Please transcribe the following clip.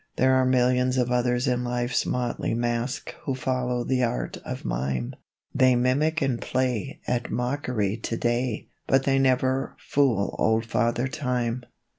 There are millions of others in Life's Motley Masque Who follow the art of mime. They mimic and play At mockery today, But they never fool Old Father Time.